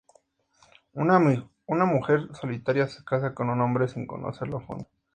Una mujer solitaria se casa con un hombre sin conocerlo a fondo.